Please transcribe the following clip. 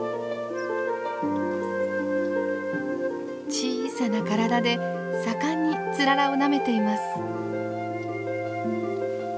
小さな体で盛んにツララをなめています。